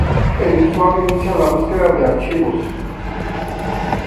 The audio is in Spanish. El usuario inicia la búsqueda de archivos.